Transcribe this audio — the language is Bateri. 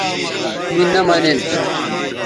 می نہ منین